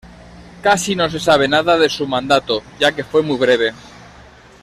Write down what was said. Casi no se sabe nada de su mandato, ya que fue muy breve.